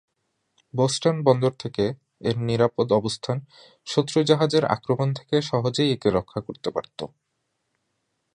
Boston বন্দর থেকে এর নিরাপদ অবস্থান শত্রু-জাহাজের আক্রমণ থেকে সহজেই একে রক্ষা করতে পারত।